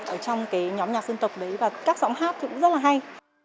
ở trong cái nhóm nhà dân tộc đấy và các giọng hát thì cũng rất là hay